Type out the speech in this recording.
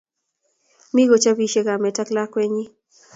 Mi kochopisiei kamet ak lakwenyi